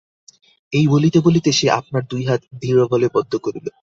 এই বলিতে বলিতে সে আপনার দুই হাত দৃঢ়বলে বদ্ধ করিল।